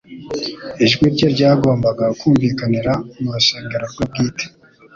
Ijwi rye ryagombaga kumvikanira mu Rusengero rwe bwite.